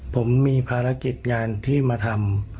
ผมมีภารกิจงานที่มาทำ